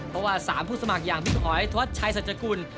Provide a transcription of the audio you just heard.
เพราะว่า๓ผู้สมัครอย่างพิทธิ์หอยถวัดชัยสัจจกุล